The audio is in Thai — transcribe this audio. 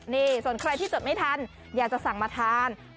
นี่ส่วนใครที่จดไม่ทันอยากจะสั่งมาทาน